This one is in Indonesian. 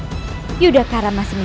jika yudhacara sudah tersenyum